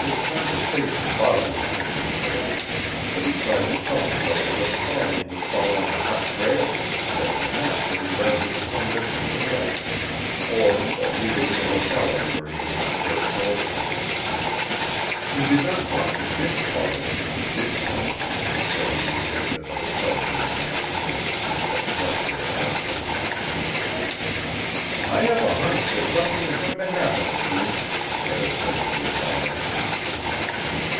This conversation bothered Sidney Prale, but he tried to tell himself that Farland was following a hot trail, and that perhaps it had led him some distance away, or that he was in a locality where he did not care to telephone. He did not want to miss Farland if he did call, and so he remained at the hotel during the afternoon and kept Murk there also. "I have a hunch that something is going to happen soon," Prale said to his valet.